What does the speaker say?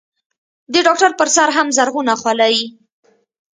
د ډاکتر پر سر هم زرغونه خولۍ.